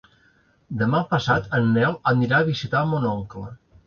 Demà passat en Nel anirà a visitar mon oncle.